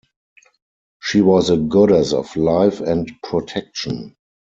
She was a goddess of life and protection.